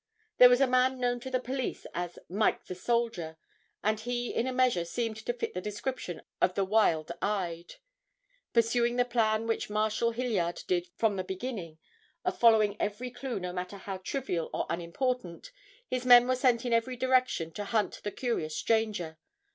There was a man known to the police as "Mike the Soldier" and he in a measure seemed to fit the description of the "Wild Eyed." Pursuing the plan which Marshal Hilliard did from the beginning, of following every clue no matter how trivial or unimportant, his men were sent in every direction to hunt the curious stranger.